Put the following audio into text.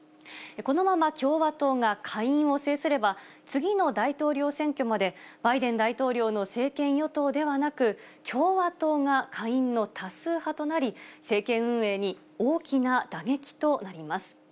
このまま共和党が下院を制すれば、次の大統領選挙までバイデン大統領の政権与党ではなく、共和党が下院の多数派となり、政権運営に大きな打撃となります。